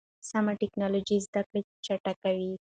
سمه ټکنالوژي زده کړه چټکوي.